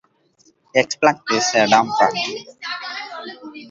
Espaillat is a Democrat.